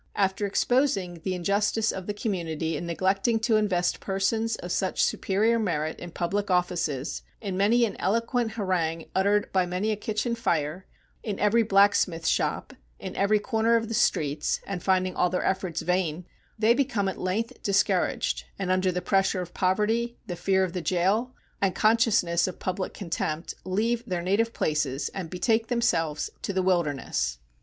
... After exposing the injustice of the community in neglecting to invest persons of such superior merit in public offices, in many an eloquent harangue uttered by many a kitchen fire, in every blacksmith shop, in every corner of the streets, and finding all their efforts vain, they become at length discouraged, and under the pressure of poverty, the fear of the gaol, and consciousness of public contempt, leave their native places and betake themselves to the wilderness.